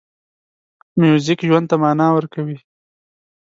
موزیک ژوند ته مانا ورکوي.